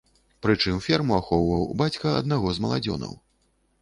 Прычым ферму ахоўваў бацька аднаго з маладзёнаў.